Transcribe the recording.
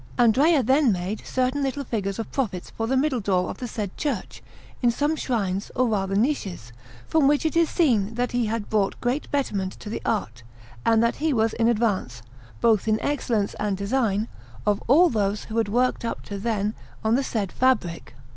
Andrea then made certain little figures of prophets for the middle door of the said church, in some shrines or rather niches, from which it is seen that he had brought great betterment to the art, and that he was in advance, both in excellence and design, of all those who had worked up to then on the said fabric.